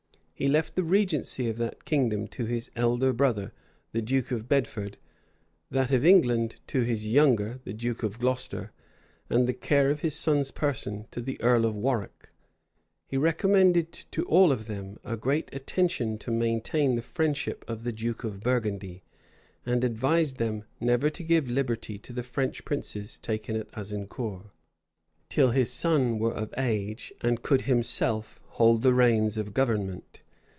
He left the regency of that kingdom to his elder brother, the duke of Bedford; that of England to his younger, the duke of Glocester; and the care of his son's person to the earl of Warwick. He recommended to all of them a great attention to maintain the friendship of the duke of Burgundy; and advised them never to give liberty to the French princes taken at Azincour, till his son were of age, and could himself hold the reins of government.